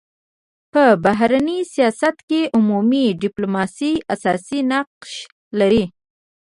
په بهرني سیاست کي عمومي ډيپلوماسي اساسي نقش لري.